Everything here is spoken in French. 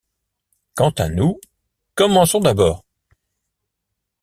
Quant à nous, commençons d’abord!